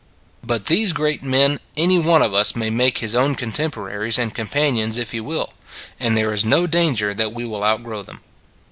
But these great men, any one of us may make his own contemporaries and com panions if he will; and there is no danger that we will outgrow them.